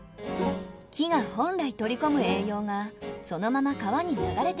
木が本来取り込む栄養がそのまま川に流れてしまいます。